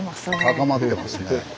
高まってますね。